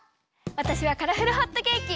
わたしはカラフルホットケーキ！